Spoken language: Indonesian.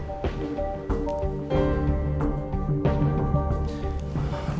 terima kasih pak cakra